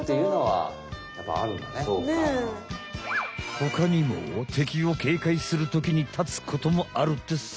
ほかにも敵をけいかいするときに立つこともあるってさ。